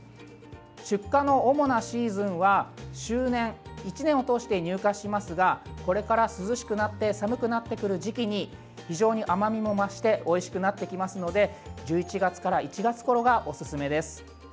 出荷の主なシーズンは周年、１年を通して入荷しますがこれから涼しくなって寒くなってくる時期に非常に甘みも増しておいしくなってきますので１１月から１月ごろがおすすめです。